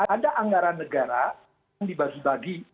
ada anggaran negara yang dibagi bagi